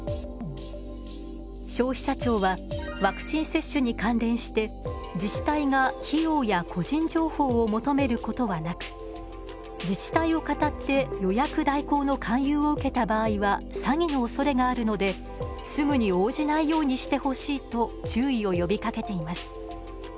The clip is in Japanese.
消費者庁はワクチン接種に関連して自治体が費用や個人情報を求めることはなく自治体をかたって予約代行の勧誘を受けた場合は詐欺のおそれがあるのですぐに応じないようにしてほしいと注意を呼びかけています。